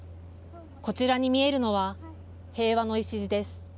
こちらに見えるのは、平和の礎です。